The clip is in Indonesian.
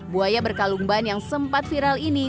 buaya berkalumban yang sempat viral ini